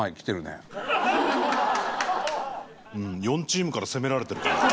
４チームから攻められてる感じ。